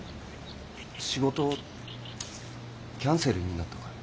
仕事キャンセルになったから。